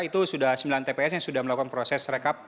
itu sudah sembilan tps yang sudah melakukan proses rekap